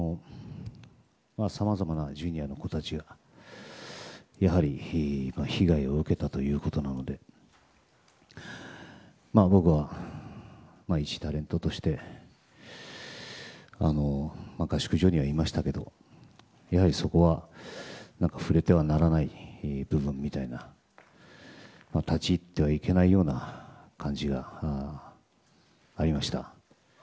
さまざまなＪｒ．の子たちが被害を受けたということなので僕は１人のタレントとして合宿所にはいましたがそこは触れてはならない部分みたいな立ち入ってはいけないような感じがありました。